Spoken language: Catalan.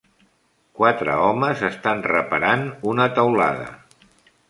Quatre homes estan reparant una teulada.